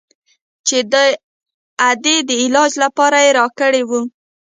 چې د ادې د علاج لپاره يې راکړى و.